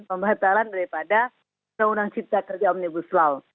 pembatalan daripada undang undang cipta kerja omnibus law